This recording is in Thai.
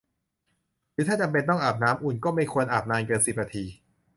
หรือถ้าจำเป็นต้องอาบน้ำอุ่นก็ไม่ควรอาบนานเกิน สิบ นาที